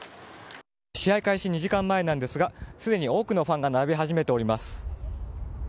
試合開始２時間前なんですがすでに多くのファンが並び始めております。